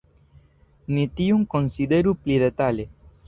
Ni tion konsideru pli detale.